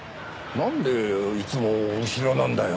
なんでいつも後ろなんだよ？